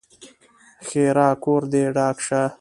ښېرا: کور دې ډاک شه!